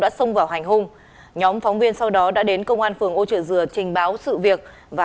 đã xông vào hành hung nhóm phóng viên sau đó đã đến công an phường âu trợ dừa trình báo sự việc và